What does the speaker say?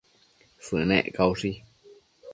Sënec caushi